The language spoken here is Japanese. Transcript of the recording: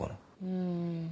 うん。